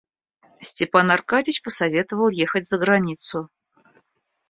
Степан Аркадьич посоветовал ехать за границу.